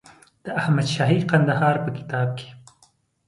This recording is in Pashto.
د احمدشاهي کندهار په کتاب کې.